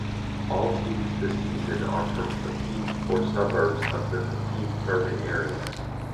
All teams this season are from Papeete or suburbs of the Papeete Urban Area.